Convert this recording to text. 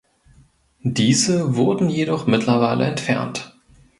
Diese wurden jedoch mittlerweile entfernt.